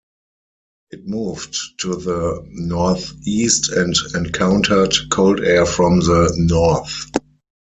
It moved to the northeast and encountered cold air from the north.